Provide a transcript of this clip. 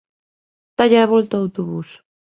Dálle a volta ao autobús!